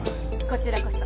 こちらこそ。